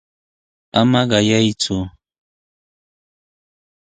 ¡Ama waqayku!